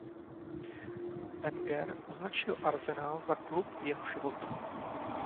Wenger označil Arsenal za „klub jeho života“.